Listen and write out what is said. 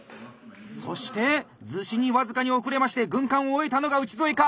そして厨子に僅かに遅れまして軍艦を終えたのが内添か！